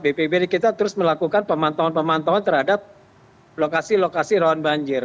bpbd kita terus melakukan pemantauan pemantauan terhadap lokasi lokasi rawan banjir